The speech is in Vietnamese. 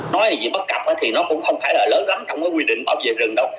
nói gì bất cập thì nó cũng không phải là lớn lắm trong quy định bảo vệ rừng đâu